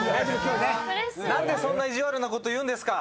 何でそんな意地悪なこと言うんですか！